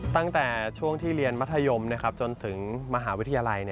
ตั้งแต่ช่วงที่เรียนมัธยมจนถึงมหาวิทยาลัย